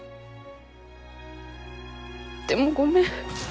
でもごめん。